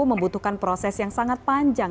membutuhkan proses yang sangat panjang